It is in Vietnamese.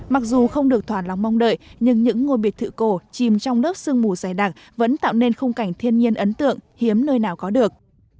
mặc dù không được thoản lòng mong đợi nhưng những ngôi biệt thự cổ chìm trong nước sương mù dày đặc vẫn tạo nên khung cảnh thiên nhiên ấn tượng hiếm nơi nào có được